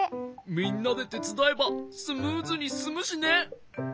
みんなでてつだえばスムーズにすすむしね。